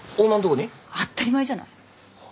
当ったり前じゃない。